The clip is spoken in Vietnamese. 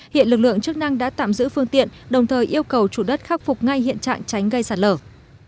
hiện lực lượng chức năng đã tạm giữ phương tiện đồng thời yêu cầu chủ đất khắc phục ngay hiện trạng tránh gây sạt lở